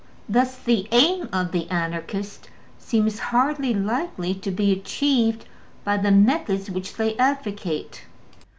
Thus the aim of the Anarchists seems hardly likely to be achieved by the methods which they advocate.